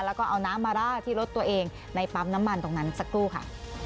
แล้วก็เอาน้ำมาร่าที่รถตัวเองในปั๊มน้ำมันตรงนั้นสักครู่ค่ะ